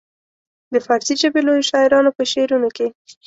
د فارسي ژبې لویو شاعرانو په شعرونو کې.